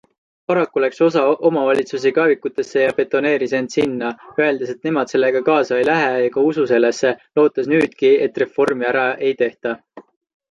Paraku läks osa omavalitsusi kaevikutesse ja betoneeris end sinna, öeldes, et nemad sellega kaasa ei lähe ega usu sellesse, lootes nüüdki, et reformi ära ei tehta.